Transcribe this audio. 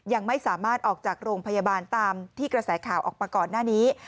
ยังไม่สามารถออกจากโรงพยาบาลตามที่กระแสข่าวออกมาก่อนหน้านี้